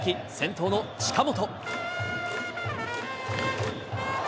先頭の近本。